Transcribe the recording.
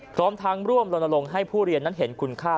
พร้อมทั้งร่วมลนลงให้ผู้เรียนนั้นเห็นคุณค่า